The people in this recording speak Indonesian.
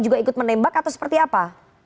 juga ikut menembak atau seperti apa